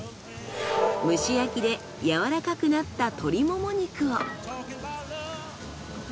蒸し焼きでやわらかくなった鶏モモ肉を。